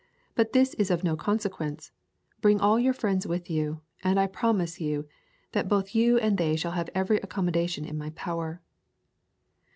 But this is of no consequence: bring all your friends with you, and I promise you that both you and they shall have every accommodation in my power."